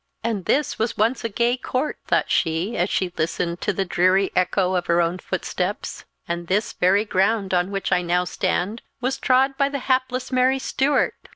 "And this was once a gay court!" thought she, as she listened to the dreary echo of her own footsteps; "and this very ground on which I now stand was trod by the hapless Mary Stuart!